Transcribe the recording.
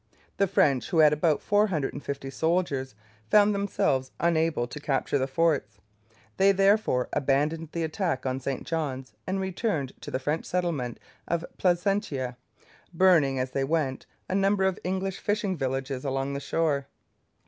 The French, who had about four hundred and fifty soldiers, found themselves unable to capture the forts. They therefore abandoned the attack on St John's and returned to the French settlement of Placentia, burning, as they went, a number of English fishing villages along the shore.